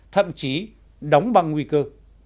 thậm chí đóng bằng nguy cơ